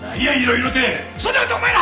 そんな事お前ら